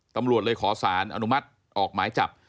ตำรวจเลยขอสารอนุมัติออกหมายจับ